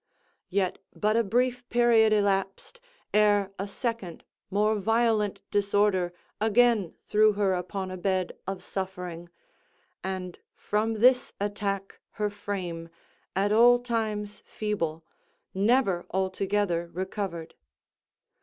Yet but a brief period elapsed, ere a second more violent disorder again threw her upon a bed of suffering; and from this attack her frame, at all times feeble, never altogether recovered.